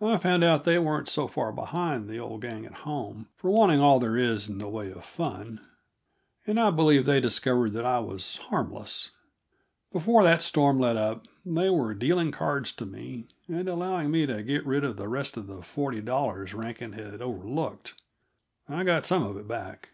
I found out that they weren't so far behind the old gang at home for wanting all there is in the way of fun, and I believe they discovered that I was harmless. Before that storm let up they were dealing cards to me, and allowing me to get rid of the rest of the forty dollars Rankin had overlooked. I got some of it back.